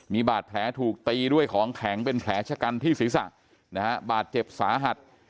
มีบาดแผลถูกตีด้วยของแข็งเป็นแผลชะกันที่ศีรษะนะฮะบาดเจ็บสาหัส